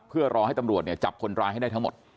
เพื่อรอให้ตำรวจจับคนร้ายให้ได้ทั้งหมด